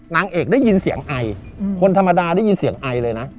นางเอกได้ยินเสียงไอคนธรรมดาได้ยินเสียงไอเลยนะ